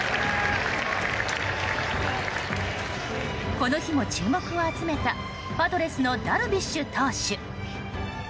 この日も注目を集めたパドレスのダルビッシュ有投手。